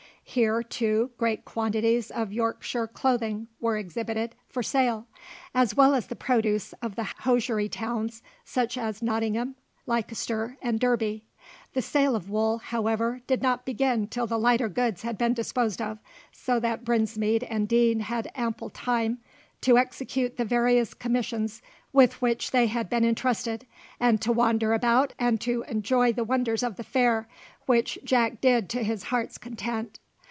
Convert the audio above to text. Here, too, great quantities of Yorkshire clothing were exhibited for sale, as well as the produce of the hosiery towns, such as Nottingham, Leicester, and Derby. The sale of wool, however, did not begin till the lighter goods had been disposed of, so that Brinsmead and Deane had ample time to execute the various commissions with which they had been entrusted, and to wander about and to enjoy the wonders of the fair, which Jack did to his heart's content.